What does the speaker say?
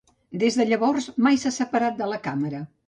Des de llavors, mai s'ha separat de la càmera.